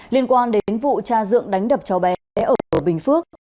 liên quan đến vụ cha dượng đánh đập cháu bé ở bình phước